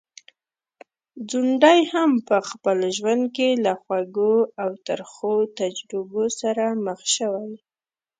ځونډی هم په خپل ژوند کي له خوږو او ترخو تجربو سره مخ شوی.